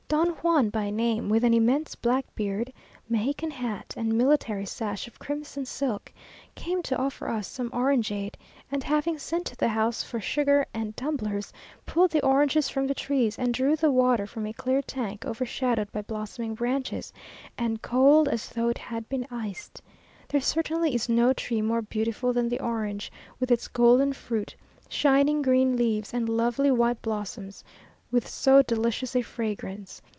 Don Juan by name, with an immense black beard, Mexican hat, and military sash of crimson silk, came to offer us some orangeade; and having sent to the house for sugar and tumblers, pulled the oranges from the trees, and drew the water from a clear tank overshadowed by blossoming branches, and cold as though it had been iced. There certainly is no tree more beautiful than the orange, with its golden fruit, shining green leaves and lovely white blossom with so delicious a fragrance.